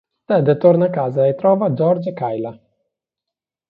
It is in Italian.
Ted torna a casa e trova George e Kayla.